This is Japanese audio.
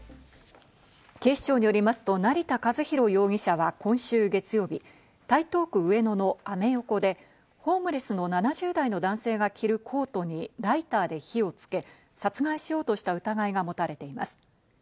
警視庁によりますと、成田和弘容疑者は今週月曜日、台東区上野のアメ横でホームレスの７０代の男性が着るコートにライターで火をつけ、殺害しようとした疑いが持たれています。